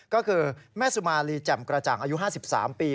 ก็คือแม่สุมาลีแจ่มกระจ่างอายุ๕๓ปี